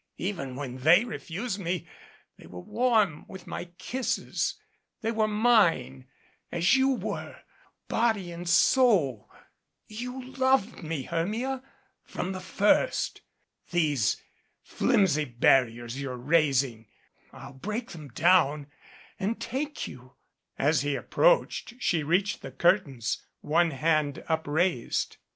Even when they refused me, they were warm with my kisses. They were mine, as you were, body and soul. You loved me, Hermia from the first. These flimsy barriers you're raising, I'll break them down and take you ' As he approached, she reached the curtains, one hand upraised.